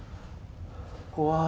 怖い。